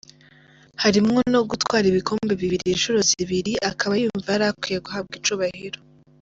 Harimwo no gutwara ibikombe bibiri inshuro zibiri - akaba yumva yari akwiye guhabwa icubahiro.